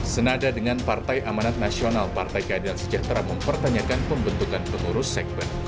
senada dengan partai amanat nasional partai keadilan sejahtera mempertanyakan pembentukan pengurus sekber